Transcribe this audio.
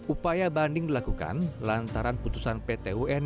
upaya banding dilakukan lantaran putusan pt un